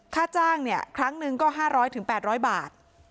ค่าจ้างเนี่ยครั้งหนึ่งก็ห้าร้อยถึงแปดร้อยบาท